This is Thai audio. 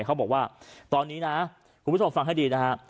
เขาบอกว่าตอนนี้นะคุณผู้ชมฟังให้ดีนะฮะ